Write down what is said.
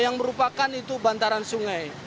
yang merupakan itu bantaran sungai